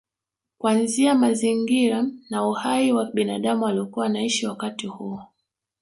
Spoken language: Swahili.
Kuanzia mazingira na uhai wa binadamu waliokuwa wanaishi wakati huo